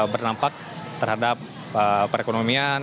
bernampak terhadap perekonomian